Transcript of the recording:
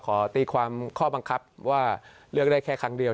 ขอตีความข้อบังคับว่าเลือกได้แค่ครั้งเดียว